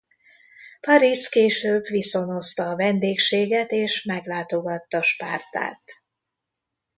Parisz később viszonozta a vendégséget és meglátogatta Spártát.